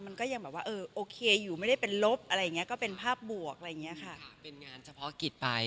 มันก็ยังโอเคอยู่ไม่ได้เป็นลบเป็นภาพบวก